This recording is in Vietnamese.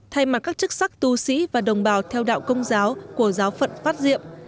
thay mặt các chức sắc tu sĩ và đồng bào theo đạo công giáo của giáo phận phát diệm